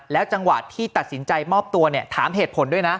จังหวะที่ตัดสินใจมอบตัวเนี่ยถามเหตุผลด้วยนะ